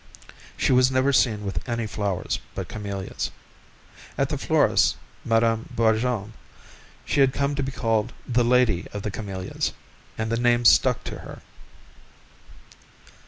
She was never seen with any flowers but camellias. At the florist's, Madame Barjon's, she had come to be called "the Lady of the Camellias," and the name stuck to her.